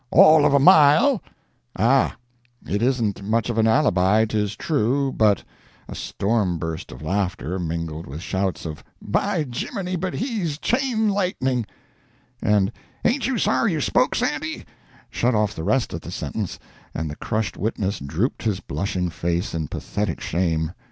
"All of a mile!" "Ah. It isn't much of an alibi, 'tis true, but " A storm burst of laughter, mingled with shouts of "By jiminy, but he's chain lightning!" and "Ain't you sorry you spoke, Sandy?" shut off the rest of the sentence, and the crushed witness drooped his blushing face in pathetic shame.